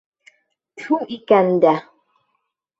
Тфү икән дә!